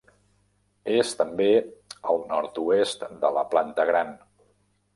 És també al nord-oest de la Planta Gran.